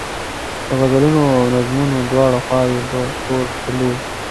د غزلونو او نظمونو دواړه خواوې په تول تلو.